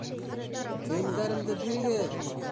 — Кейемдәремде бирегеҙ!!.